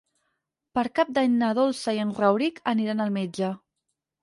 Per Cap d'Any na Dolça i en Rauric aniran al metge.